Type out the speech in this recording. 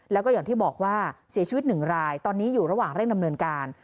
แล้วก็อย่างที่บอกว่าเสียชีวิตหนึ่งรายตอนนี้อยู่ระหว่างเร่งดำเนินการ